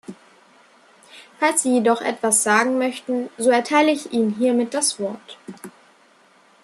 Falls Sie jedoch etwas sagen möchten, so erteile ich Ihnen hiermit das Wort.